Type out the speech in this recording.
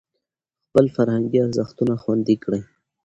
خپل فرهنګي ارزښتونه خوندي کړئ.